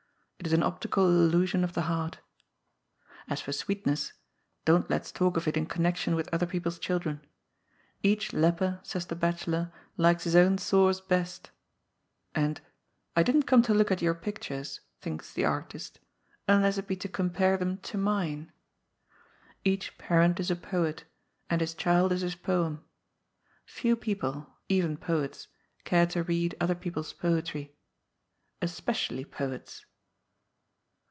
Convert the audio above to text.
It is an optical illusion of the heart. As for sweetness, don't let's talk of it in connection with other people's children. Each leper, says the bachelor, likes his own sores best. And " I didn't come to look at your pictures," thinks the artist, ^^ unless it be to compare them to mine." Each parent is a poet, and his child is his poem. Few people — even poets — care to read other people's poetry. Especially poets.